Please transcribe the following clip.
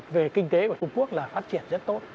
về kinh tế của trung quốc là phát triển rất tốt